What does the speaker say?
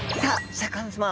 シャーク香音さま